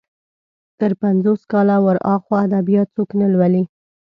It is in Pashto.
تر پنځوس کاله ور اخوا ادبيات څوک نه لولي.